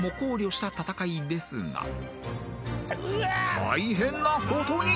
［大変なことに］